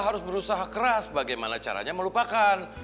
harus berusaha keras bagaimana caranya melupakan